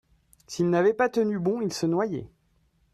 s'il n'avait pas tenu bon il se noyait.